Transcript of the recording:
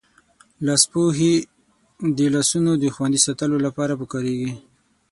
لاسپوښي د لاسونو دخوندي ساتلو لپاره پکاریږی.